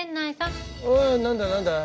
おお何だ何だ。